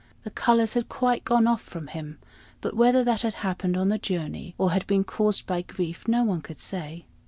The colors had quite gone off from him; but whether that had happened on the journey, or had been caused by grief, no one could say.